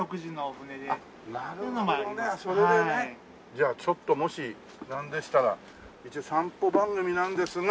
じゃあちょっともしなんでしたら一応散歩番組なんですが。